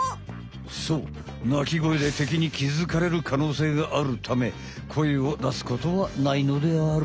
そう鳴き声で敵に気づかれるかのうせいがあるため声を出すことはないのである。